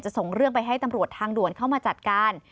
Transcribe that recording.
ส่งเรื่องไปให้ตำรวจทางด่วนเข้ามาจัดการ